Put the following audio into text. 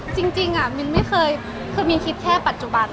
จริงจริงมิ้นไม่เคยเคยมีคิดแค่ปัจจุบัน